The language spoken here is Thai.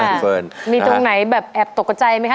คุณเฟิร์นมีตรงไหนแบบแอบตกกระใจไหมค